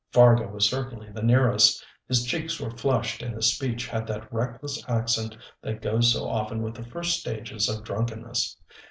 Fargo was certainly the nearest; his cheeks were flushed and his speech had that reckless accent that goes so often with the first stages of drunkenness.